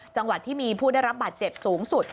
จังหวัดที่มีผู้ได้รับบาดเจ็บสูงสุด